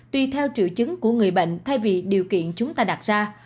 tùy theo triệu chứng của người bệnh thay vì điều kiện chúng ta đặt ra